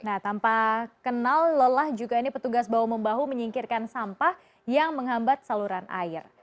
nah tanpa kenal lelah juga ini petugas bahu membahu menyingkirkan sampah yang menghambat saluran air